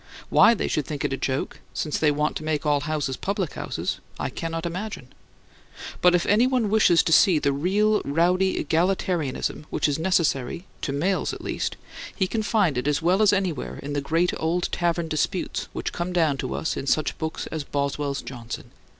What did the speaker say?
Why they should think it a joke, since they want to make all houses public houses, I cannot imagine. But if anyone wishes to see the real rowdy egalitarianism which is necessary (to males, at least) he can find it as well as anywhere in the great old tavern disputes which come down to us in such books as Boswell's Johnson.